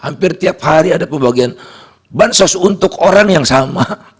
hampir tiap hari ada pembagian bansos untuk orang yang sama